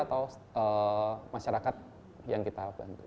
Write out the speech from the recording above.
atau masyarakat yang kita bantu